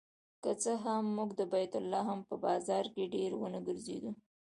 که څه هم موږ د بیت لحم په بازار کې ډېر ونه ګرځېدو.